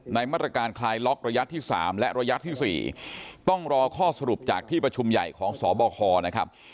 ในมาตรการคลายล็อกระยะที่๓และระยะที่๔ต้องรอข้อสรุปจากที่ประชุมใหญ่ของสบคนะครับ